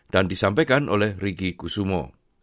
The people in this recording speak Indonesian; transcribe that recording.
dan disampaikan oleh riki kusumo